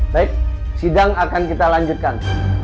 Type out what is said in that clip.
baik sidang akan kita lanjutkan